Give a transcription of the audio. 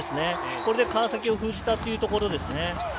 これで川崎を封じたというところです。